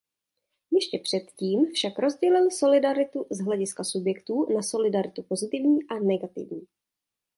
Ještě předtím však rozdělil solidaritu z hlediska subjektů na solidaritu pozitivní a negativní.